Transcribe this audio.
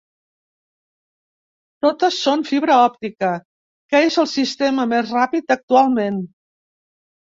Totes són fibra òptica, que és el sistema més ràpid actualment.